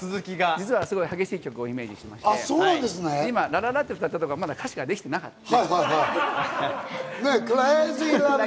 実はすごく激しい曲をイメージしていまして、今、ラララッと歌ったところは歌詞ができてなくて。